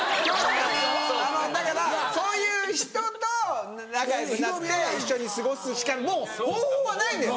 だからそういう人と仲良くなって一緒に過ごすしかもう方法はないんだよ